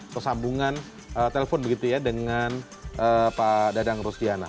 kesambungan telepon begitu ya dengan pak dadang rostiana